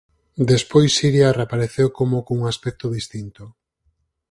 Despois Siria reapareceu como cun aspecto distinto.